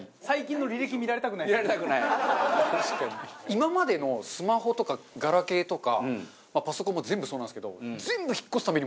今までのスマホとかガラケーとかパソコンも全部そうなんですけど。